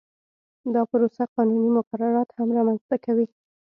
دا پروسه قانوني مقررات هم رامنځته کوي